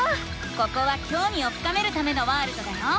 ここはきょうみを深めるためのワールドだよ。